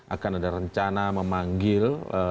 akan ada rencana memanggil